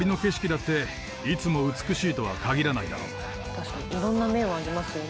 確かにいろんな面がありますよね。